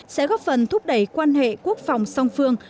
sẽ góp phần thúc đẩy quan hệ quốc phòng song phương